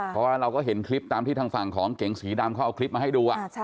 เพราะว่าเราก็เห็นคลิปตามที่ทางฝั่งของเก๋งสีดำเขาเอาคลิปมาให้ดู